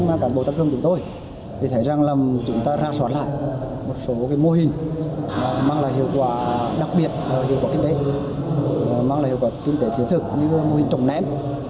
mô hình mang lại hiệu quả đặc biệt hiệu quả kinh tế hiệu quả kinh tế thiết thực như mô hình trồng ném